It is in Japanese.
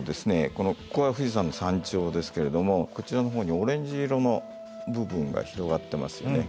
ここが富士山の山頂ですけれどもこちらの方にオレンジ色の部分が広がってますよね。